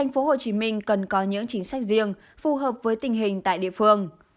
tp hcm cần có những chính sách riêng phù hợp với tình hình tại địa phương